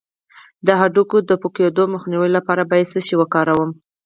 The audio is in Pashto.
د هډوکو د پوکیدو مخنیوي لپاره باید څه شی وکاروم؟